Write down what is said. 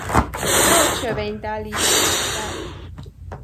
Drótsövényt állítottak fel.